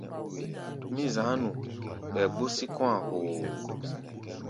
Mí za̧á̧ nu ɓɛɛ gbó sí kɔ̧́-a̧ hoo.